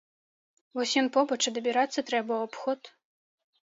Вось ён, побач, а дабірацца трэба ў абход.